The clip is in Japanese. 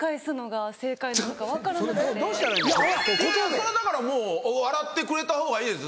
それはだからもう笑ってくれたほうがいいです